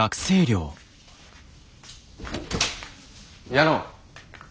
矢野。